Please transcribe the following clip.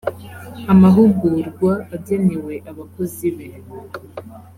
amahugurwa agenewe abakozi be